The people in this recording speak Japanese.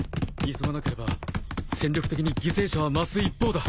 急がなければ戦力的に犠牲者は増す一方だ。